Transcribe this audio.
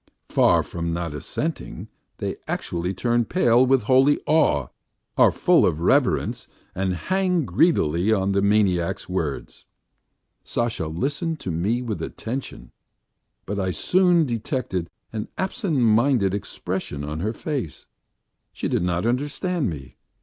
Far from not assenting, they actually turn pale with holy awe, are full of reverence and hang greedily on the maniac's words. Sasha listened to me with attention, but I soon detected an absent minded expression on her face, she did not understand me.